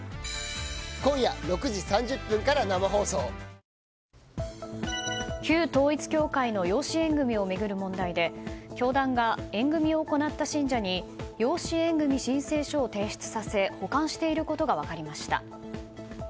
ＪＴ旧統一教会の養子縁組を巡る問題で教団が縁組を行った信者に養子縁組申請書を提出させ保管していることが分かりました。